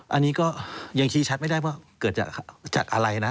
อันนี้ก็ยังชี้ชัดไม่ได้ว่าเกิดจากอะไรนะ